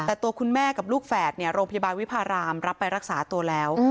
แต่ตัวคุณแม่กับลูกแฝดโรงพยาบาลวิพารามรับไปรักษาตัวแล้ว